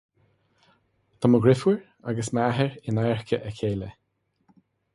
Tá mo dheirfiúr agus m'athair in adharca a chéile